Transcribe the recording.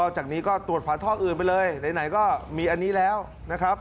จากนี้ก็ตรวจฝาท่ออื่นไปเลยไหนก็มีอันนี้แล้วนะครับ